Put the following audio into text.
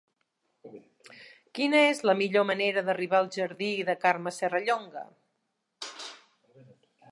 Quina és la millor manera d'arribar al jardí de Carme Serrallonga?